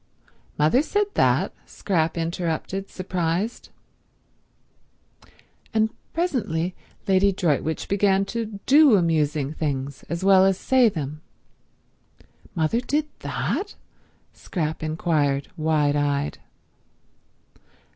"Mother said that?" Scrap interrupted, surprised. And presently Lady Droitwich began to do amusing things as well as say them. "Mother did that?" Scrap inquired, wide eyed.